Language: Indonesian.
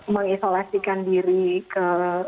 mengisolasikan diri ke